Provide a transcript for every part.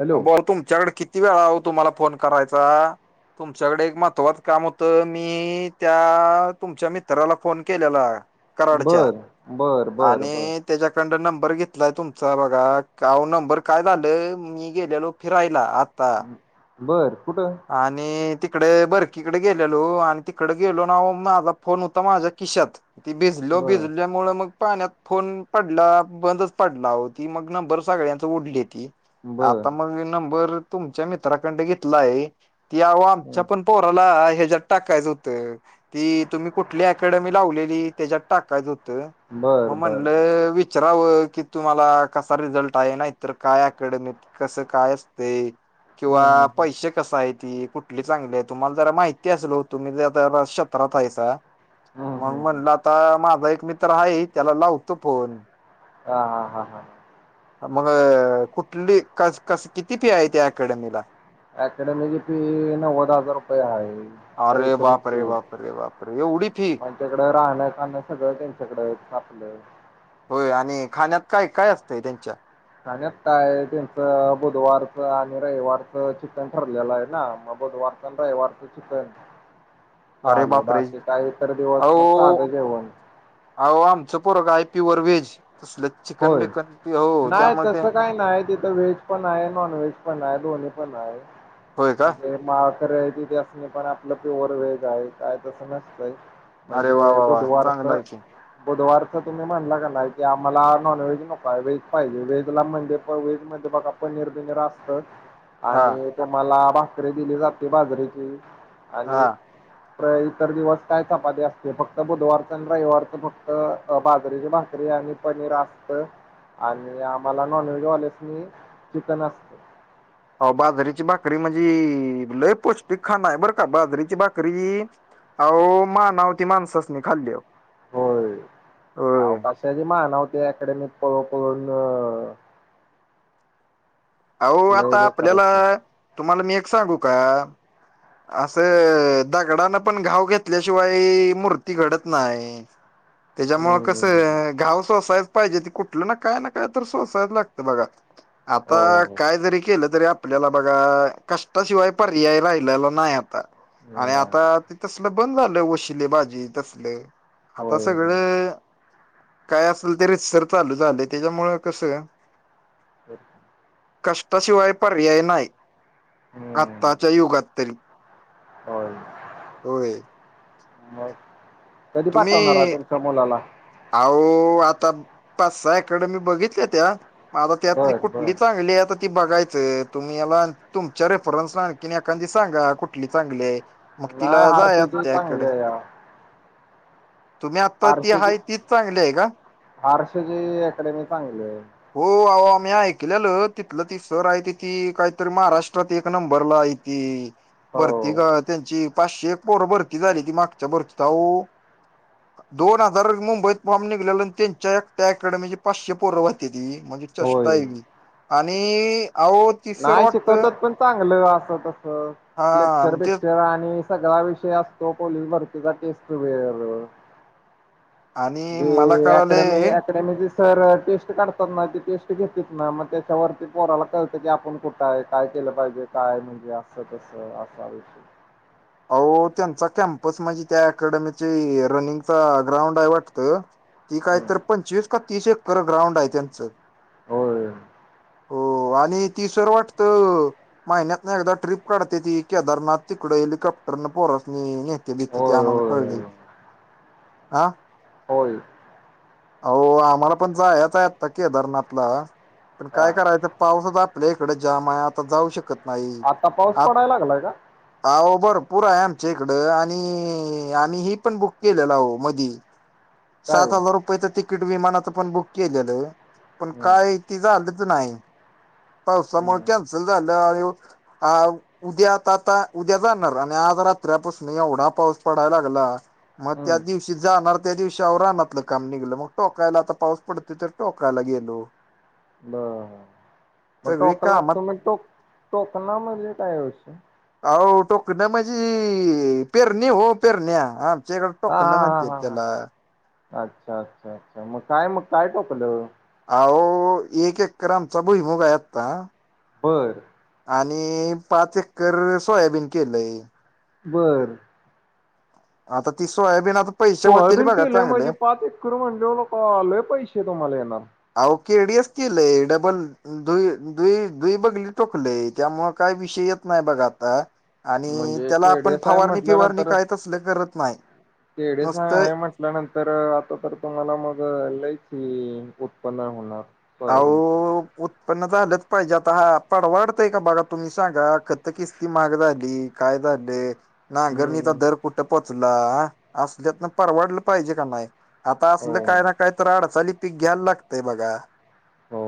Hello बोल तुमच्याकडे किती वेळा तुम्हाला फोन करायचा. तुमच्याकडे एक महत्त्वाचं काम होतं मी त्या तुमच्या मित्राला फोन केलेला. कराडच्या बरं. आणि. त्याच्याकडड नंबर घेतलाय तुमचा बघा का नंबर काय झालं मी गेलेलो फिरायला आता बर कुठं. आणि तिकडे बरकी कडे गेलेलो आणि तिकडे गेलो ना माझा फोन होता माझ्या किशात ती भिजलो बर भिजलो. मु मग पाण्यात फोन पडला बंदच पडला होती मग नंबर सगळ्यांच उडली त. बर आता मग नंबर तुमच्या मित्राकडे घेतला आहे ती आमच्या हं. पण पोराला ह्याच्या्यात टाकायचं होतं. ती तुम्ही कुठली अकडमी लावलेली त्याच्यात टाकायच होत बर मग बर हं, म्हणलंच विचारवं की तुम्हाला कसा रिझल्ट आहे ना इतर काय अकॅडमीत. कस काय असते किंवा हं, हं. पैश कस आहे ती कुठली चांगली आहे तुम्हाला जरा माहिती असलो तुम्ही ज शत्रात हायसा. हं, मग हं, हं. म्हणलं आता माझा एक मित्र आहे त्याला लावतो फोन. हा हा हा हा. मग कुठली क कस किती फी आहे या अकॅडमीला. अकॅडमीची फी नव्वद हजार रुपये आहे. अरे बापरे रेसिडेन्सी बापरे बापरे येवडी फी. त्यांच्याकड राहणं खाणं सगळं त्यांच्याकडे आपलं. होय आणि खाण्यात काय काय असतंय त्यांच्या खाण्यात काय त्यांचं बुधवारचं आणि रविवारचं चिकन ठरलेलं आहे ना मग बुधवार रविवारचं चिकन अरे झालं बापरे बाकी काहीतर दिवस मग अहो साध जेवण. अहो आमचं पोरग आहे प्युअरव्हेज. होय नाही तसं काही नाही तिथं व्हेज. पण आहे नॉन व्हेज पण आहे दोनी पण होय का आहे. माहा खरे आहे तिथे असणे पण आपलं प्युअर व्हेज आहे काय तसं नसतंय. अरे म्हणजे वा वा वा बुधवारच चांगला आहे की बुधवारच तुम्ही म्हणलं की नाही आम्हाला. नॉन व्हेज नको व्हेज पाहिजे व्हेजला म्हणे व्हेज म्हणजे बघा पनीर बिनीर असतं. हा आणि ते मला भाकरी दिली जाते बाजरीेची आणि.. [unintelligible] [inaudible] इतर दिवस काय चपाती असते फक्त बुधवारचं आणि रविवारचं फक्त बाजरीची भाकरी आणि.. पनीर असत आणि आम्हाला नॉनव्हेज वाल्यांसनी चिकन असतं. हो बाजरीची भाकरी म्हणजे लय पौष्टिकखाना आहे बरं का बाजरीची भाकरी. अहो मानाव ती माणसासनी खाल्लयावर. होय, अवकाशाची मानवते अकॅडमीत पळून पळून आओ लय आता बेकार आपल्याला, होते तुम्हाला मी एक सांगू का? असं दगडानं पण घाव घेतल्याशिवाय मूर्ती घडत नाही. त्याच्यामुळे हम्म. कसं घावसा आहे. पाहिजे ते कुठलं ना काय ना काय तर सोसायला लागतं बघा. आता हो हो काय जरी केलं तरी आपल्याला बघा, कष्टाशिवाय पर्याय राहिलेला नाही आता. आणि नाही. आता ते तसल बंद झालं वशिलेबाजी तसलं आता होय सगळं सगळं काय असल रीतसर चालू झालंय, त्याच्यामुळे कसं बर. कष्टाशिवाय पर्याय नाय, हम्म. आत्ताच्या युगात तरी. होय. होय. मग कधी पाठवणारा तुम्ही तुमच्या मुलाला? अहो आता पाच सहा अकॅडमी बघितल्यात्या आता त्यातली बर बर कुठली चांगली आहे आता किती बघायचं तुम्ही याला तुमच्या रेफरन्सनं आणखी एखादी सांगा, कुठली चांगली आहे. मग नाही तिला जायचं हारशेची त्या चांगली अकॅडमीत. आहे तुम्ही आता ती हाय आरसेजी अकॅडमी चांगली हाय. हो आओ आम्ही ऐकलेलं, तिथलं ती सर आहेती ती काहीतरी महाराष्ट्रात एक नंबरला हाय. की हो भरती कवा त्यांची पाचशे एक पोर भरती झाली ती मागच्या भरतीत, अहो दोन हजार मुं बईत निघल्यालं आणि त्यांच्या एकट्या अकॅडमीचे पाचशे पोर वाहतेती. म्हणजे चेष्टा हाय होय. आणि आओ नाही शिकवतात पण चांगलं, असं तस लेक्चर हा ते बेक्चर आणि सगळा विषय असतो पोलीस भरतीचा. टेस्ट वेळेवर आणि जे मला अकॅडमी कळालंय अकॅडमीचे सर जे टेस्ट काढतात ना, ती टेस्ट घेत्यात ना, मग त्याच्यावरती पोराला कळ तं की आपण कुठं हाय, काय केलं पाहिजे? काय म्हणजे असं तस असं असं अहो त्यांचा कॅम्पस म्हंजे त्या अकॅडमीची रनिंगचा ग्राउंड आहे वाटतं. ती काय तर पंचवीस का तीस एकर ग्राउंड आहे त्यांचं. होय. हो आणि ती सर वाटतं महिन्यातनं एकदा ट्रिप काढत्याती, केदारनाथ तिकडं हेलिकॉप् टरनी पोरासनी नेत्याली तेबी होय आम्हाला होय कळलय. होय होय. आहो आम्हालापण जायचं हाय आता केदारनाथला पण हा काय करायचं पाऊसच आपल्या इकडे जाम हे, आता जाऊ शकत नाही. आता पाऊस आ पडायला लागलाय का आओ भर पुर आहे आमच्या इकडं आणि आम्हीही पण बुक केलेलं आहो मधी काय सात हो हजार रुपयच तिकीट विमानाचं पण बुक केलेलं. पण हम्म काय ते झालंच नाय. हम्म पावसामुळे हम्म कॅन्सल झालं [unintelligible] उद्या आता आता उद्या जाणार आणि आज रात्रीपासून एवढा पाऊस पडाय लागला मग त्या हम्म दिवशी जाणार त्यादिवशी आओ राहनातलं काम निघलं. मग टोकायला आता पाऊस पडतोय तर टोकायला गेलो. बर मग सगळी टोकलात. कामात तुम्ही टोक टोकणा म्हणजे काय हा विषय? आओ टोकण्या म्हणजी पेरणी हो पेरण्या. आमच्या इकडं हा टोकण हा म्हणत्यात हा हा त्याला. अच्छा अच्छा अच्छा, मग काय मग काय टोकलं? आओ एक एक्कर आमचा भुईमूग हाय आता. बरं. आणि पाच एकर सोयाबीन केलंय. बरं.. आता ती सोयाबीन आता पैसे व्हतील बघा चांगलं. [unintelligible] म्हणाल्यावर लेका लय पैसे तुम्हाला येणार. अहो केडीएस केलंय. डबल द दु दुई बघली टोकलय त्यामुळे काय विषय येत नाही बघ आता आणि म्हणजे त्याला आपण केडीएस आहे फवारणी फिवारणी म्हटल्यानंतर काय तसले करत नाही नुसतं आपल्यानंतर आता तर तुम्हाला मग एल आई उत्पन्न होणार आऊ सोयाबीनच उत्पन्न झालंच पाहिजे आता हा पड वाढतंय का बघा तुम्ही सांगा खत किस्ती महाग झाली. कायदा नाही [inaudible] नांगरनीचा हम्म दर कुठं पोचला असल्यातन परवाडलं पाहिजे का नाही. आता असलं हो काय ना काय तर अडचाली पीक घ्यायला लागते बघा. हो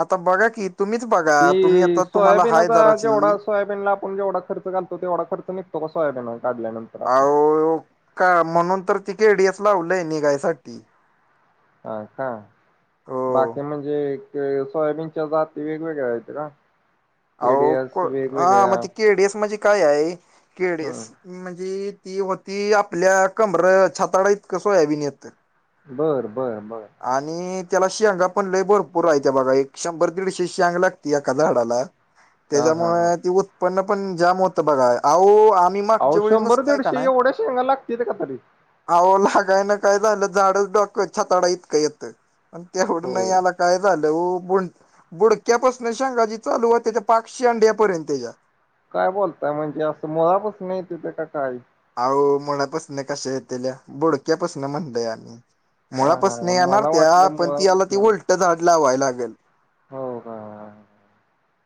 आता बघा की तुम्हीच बघा तुम्ही ती आता तुम्हाला हाय सोयाबीनचा जेवढा जराची सोयाबीनला आपण जेवढ खर्च घालतो तेवढा खर्च निघतो का सोयाबिन काढल्यांतर अह का म्हणून तर तिकेडीएस लावलंय निघायसाठी हा का हो बाकी म्हणजे सोयाबीनच्या जाती वेगवेगळ्या आहेत का? अह एडीएस हा वेगवेगळ्या मग ते केडीएस म्हजे काय आहे केडीएस हम्म. म्हणजे ती होती आपल्या कमर छाताळा इतकं सोयाबीन येतं. बरं बर बरं आणि त्याला शेंगा पण लय भरपूर आहे त्या बघा एक शंभर दीडशे शेंग लागते एका झाडाला हा हा हा त्याच्यामुळे ती उत्पन्न पण जाम होतं बघा अह आम्ही अव मागच्या वेळी शंभर नुसताय दीडशे एवढ्या शेगा लागतील ते का तरी आव लागायला काय ना काय झालं झाड डाकछातडा इतक येतं पण तेवढं नाही होय आला. काय झालं हो बु बुडक्यापासून शेंग जी चालू हो त्याच्या पाक शेंड्या पर्यंतच्या काय बोलताय म्हणजे असं मुळापासन येताती का काय? अहो मुळापासून कशा येतल्या बोडक्यापासून म्हणतय आम्ही हा मुळापासना हा ही येणार मला त्या वाटलं पण ती आला ती मुळापासून आलं. उलट झाड लावाय लागेल. हो का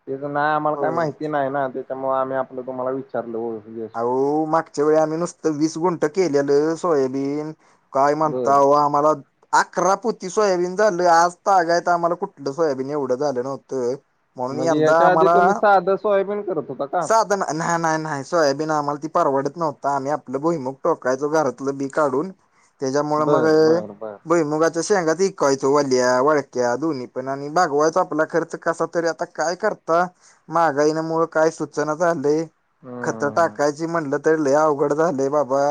तेच नाही आम्हाला काय होय माहिती नाही ना, त्यामुळे आम्ही आपलं तुम्हाला विचारलं हो, अहो मागच्या वेळी आम्ही नुसतं वीस गुंठ केलेलं सोयाबीन काय बर म्हणता ओ मला अकरापोती सोयाबीन झालं आज तगाय तर आम्हाला कुठलं सोयाबीन एवढं झालं नव्हतं. म्हणून म्हणजे यंदा याच्या आधी आम्हाला तुम्ही साधं सोयाबीन करत होता का? साधन नाही नाही सोयाबीन आम्हाला ती परवडत नव्हता आम्ही आपलं भोईमुग टोकायचो घरातलं बी काढून त्याच्यामुळे मग बर बर बर भुईमूग शेंगा चा विकायचा वल्या वळक्या दोन्ही पण आणि बगवायचो आपला खर्च कसा तरी आता काय करता महागाई मुळ काय सूचना झालय. खत हम्म टाकायची म्हणलं तर लय अवघड झालय बाबा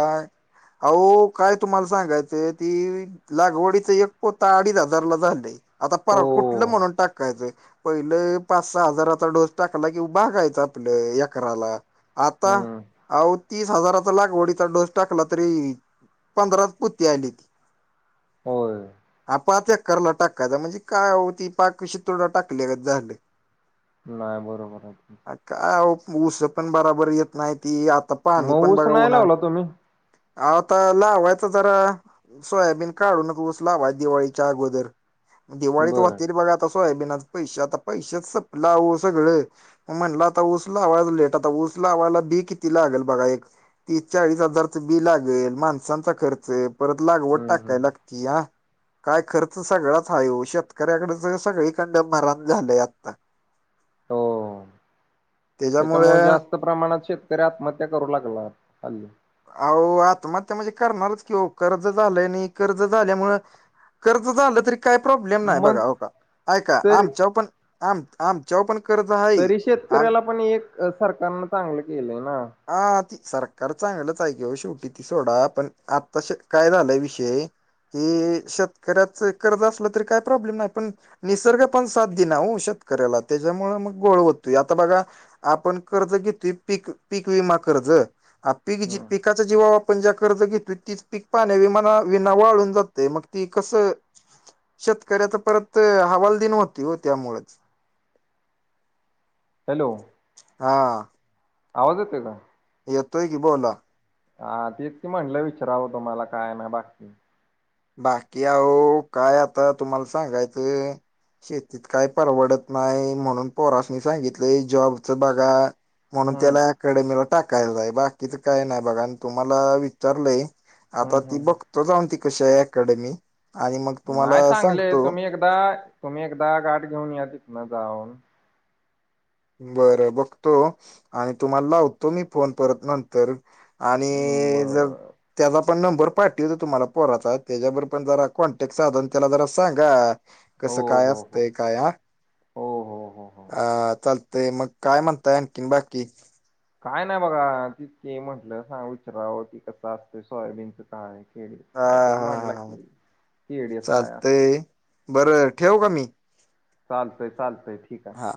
अहो काय तुम्हाला सांगायचंय ती लागवडीच एक पोता अडीच हजारला झालंय आता हो पर कुठलं म्हणून टाकायचं.. पहिले पाच सहा हजाराचा डोस टाकला की भागायचं आपलं एकराला आता हम्म आ तीस हजाराचा लागवडीचा डोस टाकला तरी पंधरा पोती आली ती होय. हा पाच एकरला टाकायचा म्हणजे काय हो ती पाक शितोडा टाकल्यागत झालं. नाही बरोबर आहे त काय ऊस पण बराबर येत नाही ती आता पाणी मग पण ऊस बघा नाही न लावला तुम्ही आता लावायच तर सोयाबीन काढूनचस लावायच दिवाळीच्या अगोदर दिवाळीत बर वतेरी बघा त सोयाबीनाच पैसे आता पैसेच सपल आहो सगळ म्हणलं आता ऊस लावायचा लेट आता ऊस लावायला बी किती लागेल बघा एक तीस चाळीस हजारचं बी लागेल, माणसांचा खर्च, परत लागवड हम्म हम्म टाकाय हम्म लागतीया. काय खर्च सगळाच हाय हो शेतकऱ्याकडच सगळीकडन मरण झालंय आता हो हो त्याच्यामुळे त्याच्यामुळ जास्त जास्त प्रमाणात शेतकरी आत्महत्या करू लागला हल्ली अहो आत्महत्या म्हणजे करणारच की हो कर्ज झालंय नी कर्ज झाल्यामुंळ कर्ज झालं तरी काय प्रॉब्लेम नाही मग बघा हो का ऐका तरी आमच्यावर पण आम आमच्यावर पण कर्ज हाय आम आपण एक अ सरकारनं चांगलं केलंय ना हा सरकार चांगलंच हाय की ओ शेवटी ती सोडा पण आत्ता शेठ काय झालंय विषय हे शेतकऱ्याच कर्ज असलं तरी काही प्रॉब्लेम नाही, पण निसर्ग पण साथ दिना हो शेतकऱ्याला त्याच्यामुळ मग घोळ होतोय आता बघा. आपण कर्ज घेतोय, पीक पीक विमा कर्ज, पीक जी हम्म. पीक पिकच्या जीवावर आपण ज्या कर्ज घेतो तीच पिक पाण्या विना वाळून जगतयं मग ती कसं शेतकऱ्याच परत हवालदिन होती हो त्यामुळच [unintelligible] हॅलो हा आवाज येतोय का? येतोय की बोला हा तेच की म्हटलं विचारावं तुम्हाला काय नायं बाकी बाकी आहो काय आता तुम्हाला सांगायचं शेतीत काय परवडत नाही म्हणून पोरासनी सांगितलंय जॉबचं बघा. म्हणून हम्म त्याला अकॅडमीला टाकायच आहे, बाकीच काय नाही बघा आणि तुम्हाला विचारलंय हम्म आता ती हम्म. बघतो जाऊन ती कशी आहे अकॅडमी आणि मग नाही तुम्हाला चांगले आहे सांगतो. [inaudible] तुम्ही एकदा गाठ घेऊन या तिथन जाऊन बरं बघतो आणि तुम्हाला लावतो मी फोन परत नंतर आणि जर बर त्यालाच आपण नंबर पाठवीतो तुम्हाला पोराचा त्याच्याबरोबर पण जरा कॉन्टॅक्ट साधून त्याला जरा सांगा हो कसं काय हो हो असतय काय हा, हो हो हो हो. हा चालतय की ते मग काय म्हणताय आणि किन बाकी काय नाही बघा तिच की म्हटलं सांग विचारवं ती कस असतय सोयाबीनच काय केडीएस हा काय तो हा म्हणला हा की केडीएस काय असत चालतंय बरं ठेव का मी चालतय चालतय ठीक आहे. हा